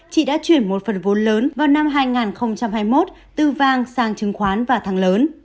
chị đã chuyển một phần vốn lớn vào năm hai nghìn hai mươi một từ vang sang chứng khoán và thăng lớn